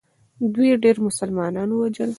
دوی ډېر مسلمانان ووژل.